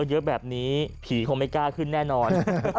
เยอะแบบนี้ผีคงไม่กล้าขึ้นแน่นอน